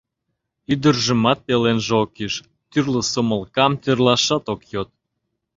Ӱдыржымат пеленже ок ӱж, тӱрлӧ сомылкам тӧрлашат ок йод.